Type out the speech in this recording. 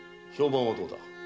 評判はどうだ？